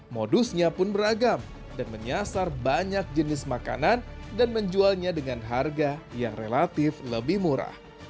modusnya pun beragam dan menyasar banyak jenis makanan dan menjualnya dengan harga yang relatif lebih murah